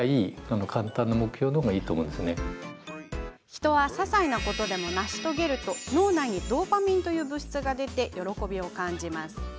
人は、ささいなことでも成し遂げると脳内にドーパミンという物質が出て、喜びを感じます。